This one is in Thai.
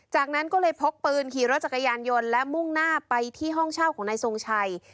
จากนั้นก็เลยพกปืนขี่รถจักรยานยนต์และมุ่งหน้าไปที่ห้องเช่าของนายทรงชัย